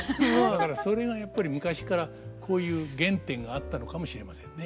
だからそれがやっぱり昔っからこういう原点があったのかもしれませんね